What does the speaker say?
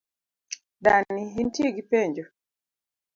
Dani, intie gi penjo?